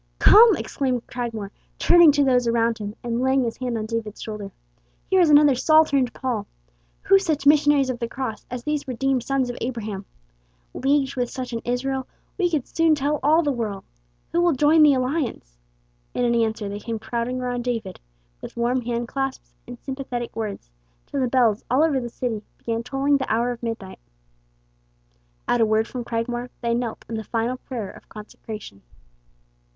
"Come!" exclaimed Cragmore, turning to those around him, and laying his hand on David's shoulder; "here is another Saul turned Paul. Who such missionaries of the cross as these redeemed sons of Abraham? Leagued with such an Israel, we could soon tell all the world. Who will join the alliance?" In answer they came crowding around David, with warm hand clasps and sympathetic words, till the bells all over the city began tolling the hour of midnight. At a word from Cragmore they knelt in the final prayer of consecration.